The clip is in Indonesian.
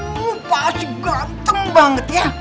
ya pak asyik ganteng banget ya